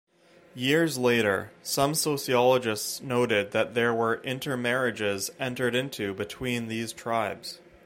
Years later, some sociologists noted that there were inter-marriages entered into between these tribes.